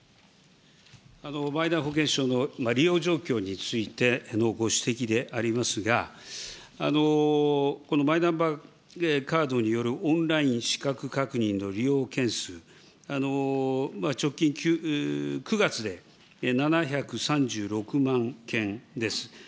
マイナ保険証の利用状況についてのご指摘でありますが、このマイナンバーカードによるオンライン資格確認の利用件数、直近９月で７３６万件です。